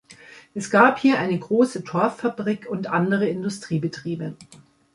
Es gab hier eine große Torf-Fabrik und andere Industriebetriebe.